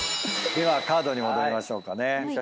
ではカードに戻りましょうかね。